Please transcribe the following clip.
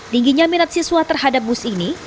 tingginya minat siswa terhadap bus ini